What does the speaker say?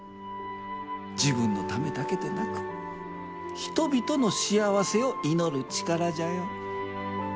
自分のためだけでなく人々の幸せを祈る力じゃよ。